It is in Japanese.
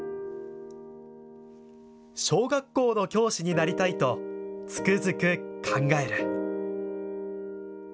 小学校の教師になりたいとつくづく考へる。